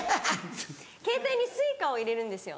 ケータイにＳｕｉｃａを入れるんですよ。